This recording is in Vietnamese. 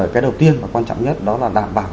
cái đầu tiên và quan trọng nhất đó là đảm bảo